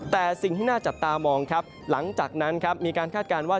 แต่สิ่งที่น่าจับตามองครับหลังจากนั้นครับมีการคาดการณ์ว่า